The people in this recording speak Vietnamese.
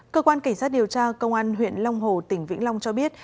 cơ quan cảnh sát điều tra công an huyện long hồ tỉnh vĩnh long cho biết